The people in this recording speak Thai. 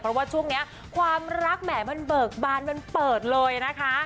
เพราะว่าช่วงนี้ความรักแหมมันเบิกบานมันเปิดเลยนะคะ